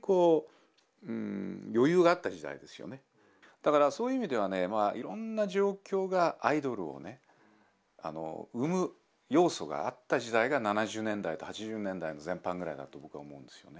だからそういう意味ではねいろんな状況がアイドルをね生む要素があった時代が７０年代と８０年代の前半ぐらいだと僕は思うんですよね。